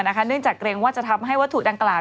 เนื่องจากเกรงว่าจะทำให้วัตถุดังกล่าว